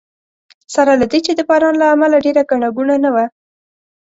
سره له دې چې د باران له امله ډېره ګڼه ګوڼه نه وه.